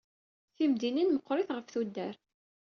Timdinin meɣɣrit ɣef tuddar.